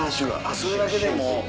それだけでもう？